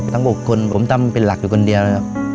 ๖คนผมทำเป็นหลักอยู่คนเดียวนะครับ